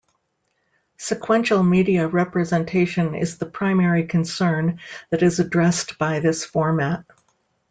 Sequential media representation is the primary concern that is addressed by this format.